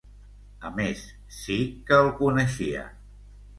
A més, sí que el coneixia...